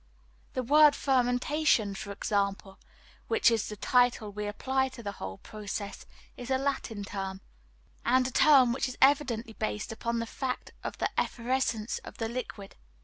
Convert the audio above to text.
That word "fermentation" for example, which is the title we apply to the whole process, is a Latin term; and a term which is evidently based upon the fact of the effervescence of the liquid.